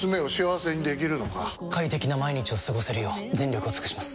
快適な毎日を過ごせるよう全力を尽くします！